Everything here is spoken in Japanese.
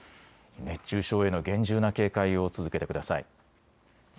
熱中症への厳重な警戒を続けてください。